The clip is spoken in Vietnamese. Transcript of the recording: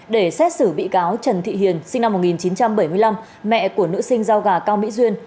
để xét xử bị cáo trần thị hiền sinh năm một nghìn chín trăm bảy mươi năm mẹ của nữ sinh giao gà cao mỹ duyên